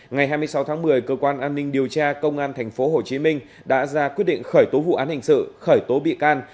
ngày hai mươi sáu tháng một mươi cơ quan an ninh điều tra công an tp hcm đã ra quyết định khởi tố vụ án hình sự khởi tố bị can